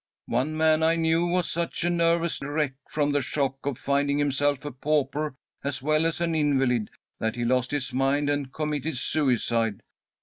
One man I knew was such a nervous wreck from the shock of finding himself a pauper as well as an invalid that he lost his mind and committed suicide.